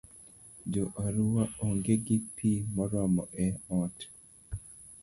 Jo Arua onge gi pi moromo e ot.